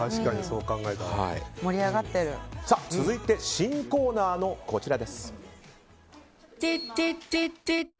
続いて新コーナーのこちらです。